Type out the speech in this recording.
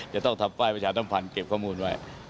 จะต้องทำป้ายประชาสัมพันธ์เก็บข้อมูลไว้